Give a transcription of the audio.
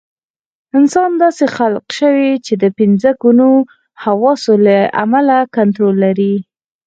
انسان داسې خلق شوی چې د پنځه ګونو حواسو له امله کنټرول لري.